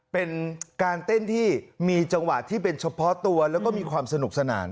เป็นการเต้นที่มีจังหวะที่เป็นเฉพาะตัวแล้วก็มีความสนุกสนาน